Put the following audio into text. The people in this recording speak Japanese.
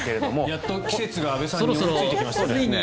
やっと季節が安部さんに追いついてきましたね。